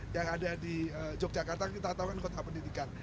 yang ada di yogyakarta kita tahu kan kota pendidikan